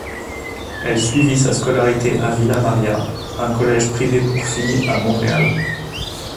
Elle suivit sa scolarité à Villa Maria, un collège privé pour filles à Montréal.